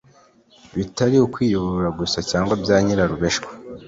bitari ukwiyuburura gusa cyangwa bya nyirarureshwa